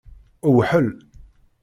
Wḥel.